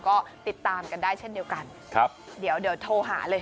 ก็ติดตามกันได้เช่นเดียวกันครับเดี๋ยวเดี๋ยวโทรหาเลย